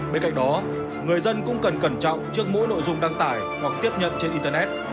bên cạnh đó người dân cũng cần cẩn trọng trước mỗi nội dung đăng tải hoặc tiếp nhận trên internet